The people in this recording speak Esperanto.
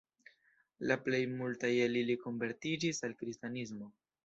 La plej multaj el ili konvertiĝis al kristanismo.